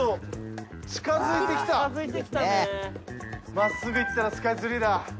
まっすぐ行ったらスカイツリーだ。